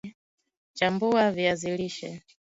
Chambua viazi lishe